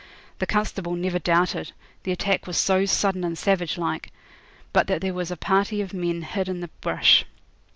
The constable never doubted the attack was so sudden and savage like but there was a party of men hid in the brush.